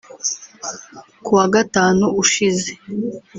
Ku wa Gatanu ushije